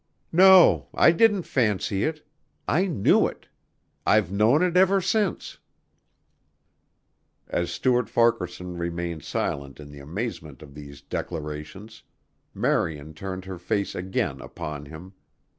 "No, I didn't fancy it ... I knew it ... I've known it ever since." As Stuart Farquaharson remained silent in the amazement of these declarations, Marian turned her face again upon him.